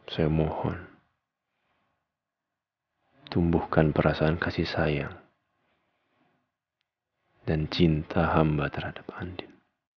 saya mohon tumbuhkan perasaan kasih sayang dan cinta hamba terhadap andin